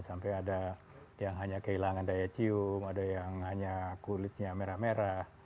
sampai ada yang hanya kehilangan daya cium ada yang hanya kulitnya merah merah